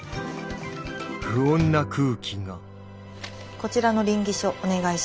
こちらの稟議書お願いします。